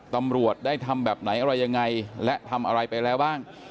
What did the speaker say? ตำรวจได้ทำแบบไหนอะไรยังไงและทำอะไรไปแล้วบ้าง